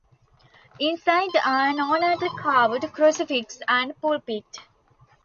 Inside are an ornately carved crucifix and pulpit.